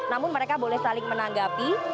namun mereka boleh saling menanggapi